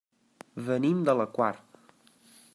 Venim de la Quar.